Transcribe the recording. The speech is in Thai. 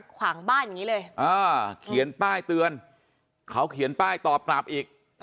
ขวางบ้านอย่างนี้เลยเขียนป้ายเตือนเขาเขียนป้ายตอบกลับอีก